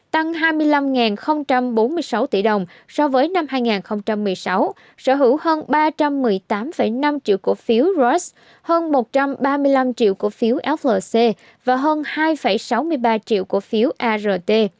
tăng hai mươi năm bốn mươi sáu tỷ đồng so với năm hai nghìn một mươi sáu sở hữu hơn ba trăm một mươi tám năm triệu cổ phiếu ross hơn một trăm ba mươi năm triệu cổ phiếu fmc và hơn hai sáu mươi ba triệu cổ phiếu art